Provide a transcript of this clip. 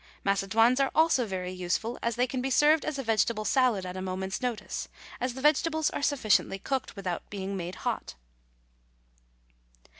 Macedoines are also very useful, as they can be served as a vegetable salad at a moment's notice, as the vegetables are sufficiently cooked without being made hot.